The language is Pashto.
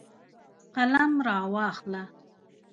قلم راواخله.